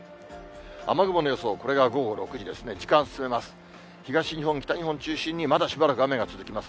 雨雲の予想、これが午後６時ですね、時間進めます。